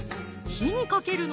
火にかけるの？